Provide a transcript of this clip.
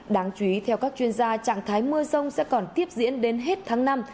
và trạng thái mưa sông sẽ còn tiếp diễn đến hết tháng năm